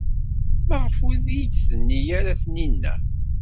Maɣef ur iyi-d-tenni ara Taninna?